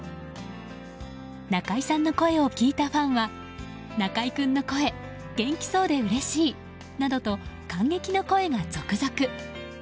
中居さんの声を聞いたファンは中居君の声元気そうでうれしいなどと感激の声が続々。